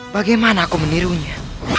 bagaimana aku menirunya